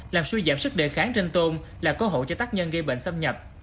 làm suy giảm sức đề kháng trên tôm là cơ hội cho tác nhân gây bệnh xâm nhập